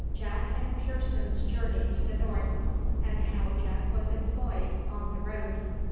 JACK AND PEARSON'S JOURNEY TO THE NORTH, AND HOW JACK WAS EMPLOYED ON THE ROAD.